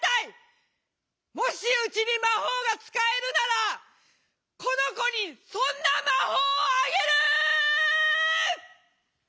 もしうちに魔法が使えるならこの子にそんな魔法をあげる」。